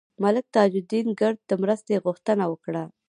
ملک تاج الدین کرد د مرستې غوښتنه وکړه.